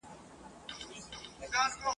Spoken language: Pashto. تر قیامته بل ته نه سوای خلاصېدلای ..